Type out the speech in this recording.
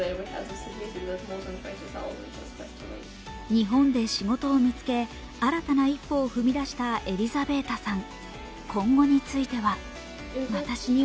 日本で仕事を見つけ、新たな一歩を踏み出したエリザベータさん。